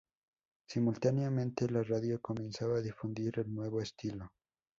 Simultáneamente la radio comenzaba a difundir el nuevo estilo.